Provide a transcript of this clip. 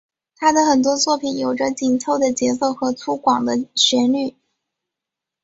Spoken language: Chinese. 他的很多作品有着紧凑的节奏和粗犷的旋律。